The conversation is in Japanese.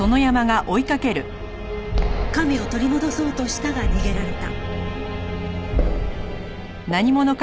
亀を取り戻そうとしたが逃げられた。